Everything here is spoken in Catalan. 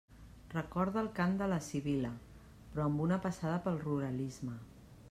Recorda el cant de la Sibil·la, però amb una passada pel ruralisme.